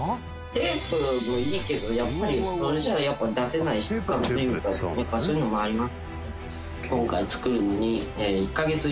テープもいいけどやっぱりそれじゃあ出せない質感というかやっぱそういうのもあります。